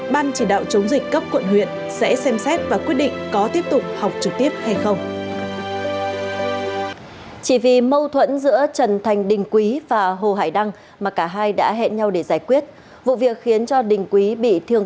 ban chỉ đạo chống dịch cấp quận huyện sẽ xem xét và quyết định có tiếp tục học trực tiếp hay không